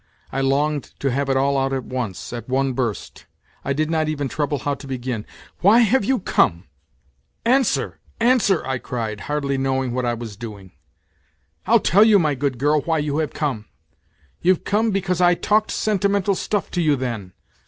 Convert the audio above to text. I longed to have it all out at once, at one burst ; I did not even trouble how to begin. " Why have you come ? Answer, answer," I cried, hardly knowing what I was doing. "I'll tell you, my good girl, why you have come. You've come because I talked sentimental stuff to you then.